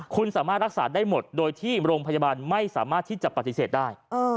คุณสามารถรักษาได้หมดโดยที่โรงพยาบาลไม่สามารถที่จะปฏิเสธได้